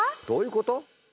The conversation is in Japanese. どういうこと？